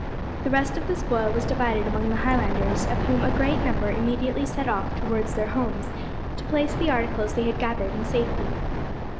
The rest of the spoil was divided among the Highlanders, of whom a great number immediately set off towards their homes to place the articles they had gathered in safety.